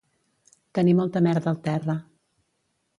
Tenir molta merda al terra